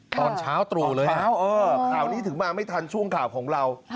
ตอนเช้าตรู่เลยนะครับอ๋อเช้าเออข่าวนี้ถึงมาไม่ทันช่วงข่าวของเรา